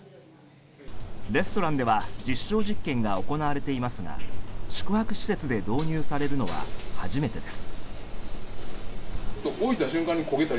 レストランでは実証実験が行われていますが宿泊施設で導入されるのは初めてです。